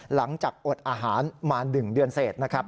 หลังจากอดอาหารมา๑เดือนเสร็จนะครับ